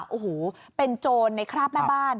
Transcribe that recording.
โอ้โหเป็นโจรในคราบแม่บ้าน